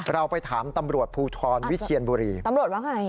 เราไปถามตำรวจภูทรวิเชียนบุรีตำรวจว่าไง